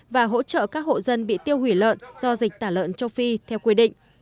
và hỗ trợ các hộ dân bị tiêu hủy lợn do dịch tả lợn châu phi theo quy định